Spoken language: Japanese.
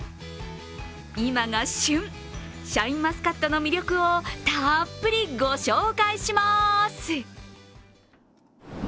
今が旬、シャインマスカットの魅力をたっぷりご紹介します。